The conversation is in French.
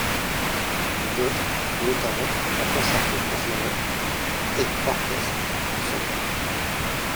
D'autres, notamment un Concerto pour violon et orchestre, sont perdues.